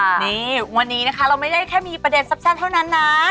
นี่วันนี้นะคะเราไม่ได้แค่มีประเด็นสั้นเท่านั้นนะ